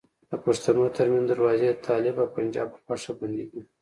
د پښتنو ترمنځ دروازې د طالب او پنجاب په خوښه بندي دي.